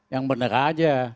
yang bener aja